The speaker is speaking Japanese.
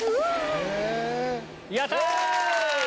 やった！